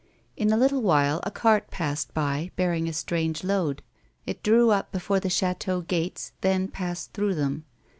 In a little while a cart passed by, bearing a strange load ; it drew up before the chateau gates, then passed through them.